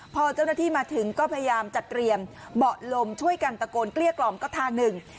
พอเจ้าหน้าที่มาถึงก็พยายามจัดเตรียมเบาะลมช่วยกันตะโกนเกลี้ยกล่อมก็ทางหนึ่ง